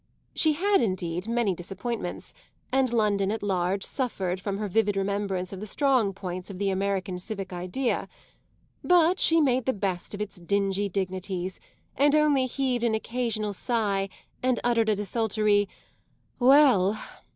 She had indeed many disappointments, and London at large suffered from her vivid remembrance of the strong points of the American civic idea; but she made the best of its dingy dignities and only heaved an occasional sigh and uttered a desultory "Well!"